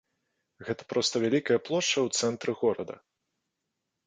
Гэта проста вялікая плошча ў цэнтры горада.